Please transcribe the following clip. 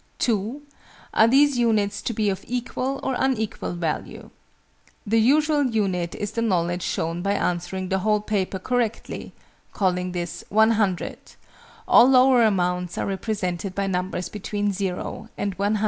(2) Are these units to be of equal, or unequal value? The usual "unit" is the knowledge shown by answering the whole paper correctly; calling this "100," all lower amounts are represented by numbers between "0" and "100."